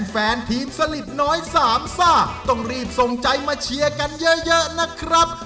แฟนทีมสลิดน้อยสามซ่าต้องรีบส่งใจมาเชียร์กันเยอะนะครับ